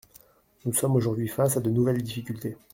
Nous sommes aujourd’hui face à de nouvelles difficultés.